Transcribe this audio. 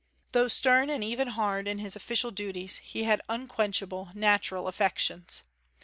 Though stern and even hard in his official duties, he had unquenchable natural affections.